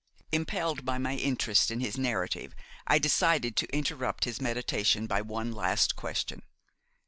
Impelled by my interest in his narrative, I decided to interrupt his meditation by one last question.